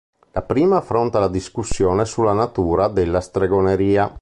La prima affronta la discussione sulla natura della stregoneria.